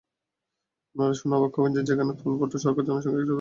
আপনারা শুনে অবাক হবেন, সেখানে পলপট সরকার জনসংখ্যার এক-চতুর্থাংশ মানুষকে হত্যা করে।